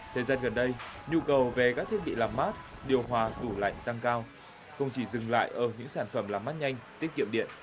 thời gian gần đây nhu cầu về các thiết bị làm mát điều hòa tủ lạnh tăng cao không chỉ dừng lại ở những sản phẩm làm mát nhanh tiết kiệm điện